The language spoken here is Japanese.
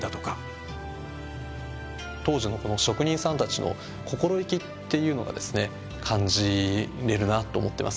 当時のこの職人さんたちの心意気っていうのがですね感じれるなと思ってます。